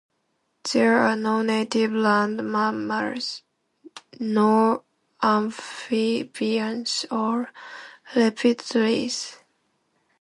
There are no native land mammals, nor amphibians or reptiles.